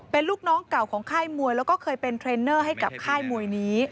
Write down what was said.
เป็นลูกน้องเก่าของค่ายมวยแล้วก็เคยเป็นเทรนเนอร์ให้กับค่ายมวยนี้